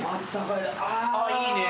ああいいね。